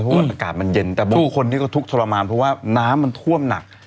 เพราะว่าอากาศมันเย็นแต่บางคนนี่ก็ทุกข์ทรมานเพราะว่าน้ำมันท่วมหนัก